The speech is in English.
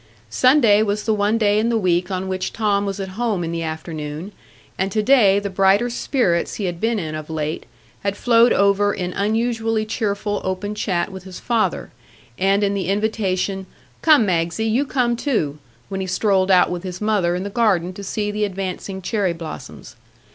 Sunday was the one day in the week on which Tom was at home in the afternoon; and today the brighter spirits he had been in of late had flowed over in unusually cheerful open chat with his father, and in the invitation, "Come, Magsie, you come too!" when he strolled out with his mother in the garden to see the advancing cherry blossoms.